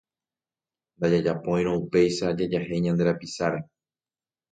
Ndajajapóirõ upéicha jajahéi ñande rapicháre.